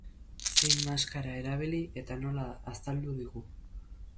Zein maskara erabili eta nola azaldu digu.